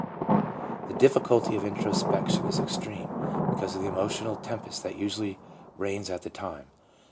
The difficulty of introspection is extreme because of the emotional tempest that usually reigns at the time.